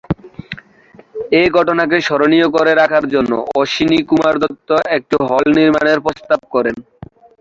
এ ঘটনাকে স্মরণীয় করে রাখার জন্য অশ্বিনীকুমার দত্ত একটি হল নির্মাণের প্রস্তাব করেন।